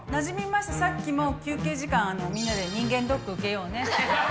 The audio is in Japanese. さっきも休憩時間みんなで人間ドック受けようねって。